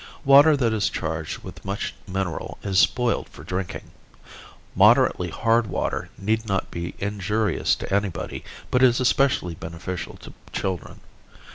Water that is charged with much mineral is spoiled for drinking. Moderately hard water need not be injurious to anybody, but is especially beneficial to children.